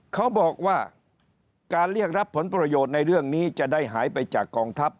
เขาบอกว่าการเรียกรับผลประโยชน์ในเรื่องนี้จะได้หายไปจากกองทัพ